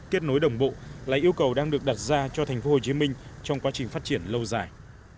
kết nối đồng bộ là yêu cầu đang được đặt ra cho tp hcm trong quá trình phát triển lâu dài